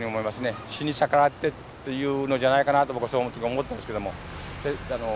死に逆らってというのじゃないかなと僕その時思ったんですけども。